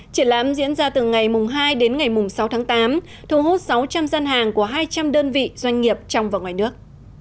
triển lãm diễn ra từ ngày hai đến ngày sáu tháng tám thu hút sáu trăm linh gian hàng của hai trăm linh đơn vị doanh nghiệp trong và ngoài nước